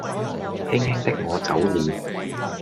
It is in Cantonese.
輕輕的我走了